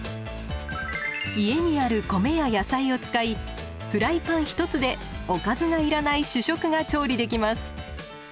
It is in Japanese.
家にある米や野菜を使いフライパン１つでおかずがいらない主食が調理できます。